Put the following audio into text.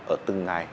ở từng ngày